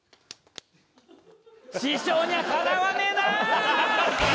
師匠にはかなわねえな！